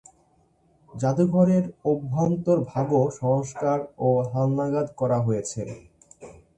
জাদুঘরের অভ্যন্তরভাগও সংস্কার ও হালনাগাদ করা হয়েছে।